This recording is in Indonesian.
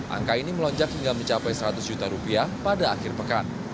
angka ini melonjak hingga mencapai seratus juta rupiah pada akhir pekan